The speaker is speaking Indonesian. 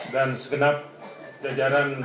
dan segenap jajaran